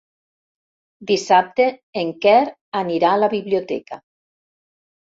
Dissabte en Quer anirà a la biblioteca.